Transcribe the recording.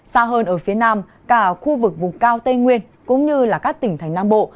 xa hơn ở phía nam cả khu vực vùng cao tây nguyên cũng như các tỉnh thành nam bộ